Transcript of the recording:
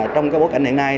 trong cái bối cảnh hiện nay